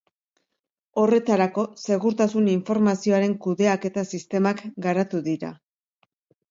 Horretarako, segurtasun informazioaren kudeaketa sistemak garatu dira.